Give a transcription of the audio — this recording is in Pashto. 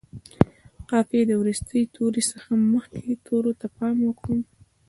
د قافیې د وروستي توري څخه مخکې تورو ته پام وکړو.